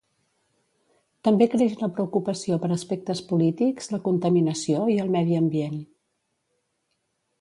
També creix la preocupació per aspectes polítics, la contaminació i el medi ambient.